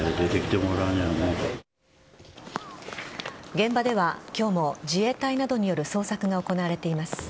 現場では今日も自衛隊などによる捜索が行われています。